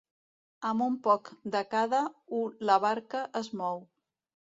Amb un poc de cada u la barca es mou.